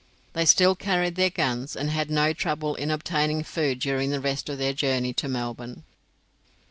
They still carried their guns, and had no trouble in obtaining food during the rest of their journey to Melbourne.